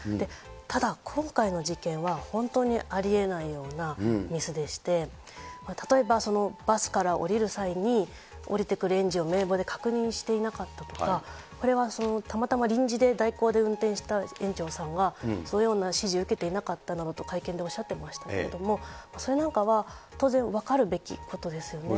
ただ今回の事件は本当にありえないようなミスでして、例えばそのバスから降りる際に、降りてくる園児を名簿で確認していなかったとか、これはたまたま臨時で代行で運転した園長さんが、そのような指示を受けていなかったなどと会見でおっしゃってましたけど、それなんかは当然分かるべきことですよね。